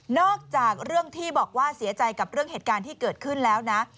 อกจากเรื่องที่บอกว่าเสียใจกับเรื่องเหตุการณ์ที่เกิดขึ้นแล้วนะ